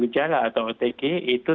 gejala atau otg itu